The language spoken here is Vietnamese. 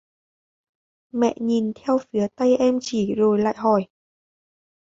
Mẹ nhìn theo phía tay em chỉ rồi lại hỏi